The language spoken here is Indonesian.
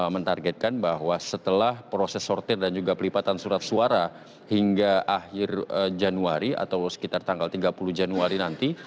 menargetkan bahwa setelah proses sortir dan juga pelipatan surat suara hingga akhir januari atau sekitar tanggal tiga puluh januari nanti